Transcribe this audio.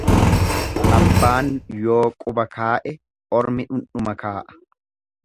Abbaan yoo quba kaa'e ormi dhundhuma kaa'a.